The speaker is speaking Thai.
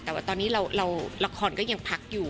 แต่ว่าตอนนี้เราราคอนก็ยังพักอยู่